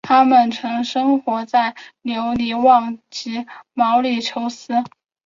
它们曾生活在留尼旺及毛里裘斯。